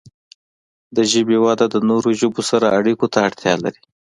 د ژبې وده د نورو ژبو سره اړیکو ته اړتیا لري.